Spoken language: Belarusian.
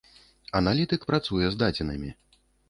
Аналітык працуе з дадзенымі.